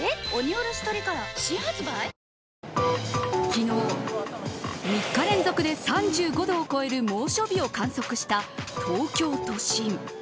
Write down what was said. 昨日、３日連続で３５度を超える猛暑日を観測した東京都心。